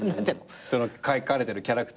その書かれてるキャラクターね。